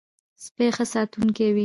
سپي ښه ساتونکی وي.